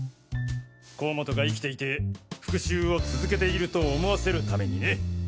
甲本が生きていて復讐を続けていると思わせるためにね。